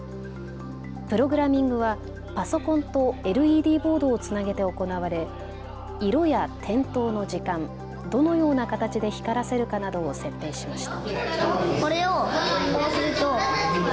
プログラミングはパソコンとＬＥＤボードをつなげて行われ色や点灯の時間、どのような形で光らせるかなどを設定しました。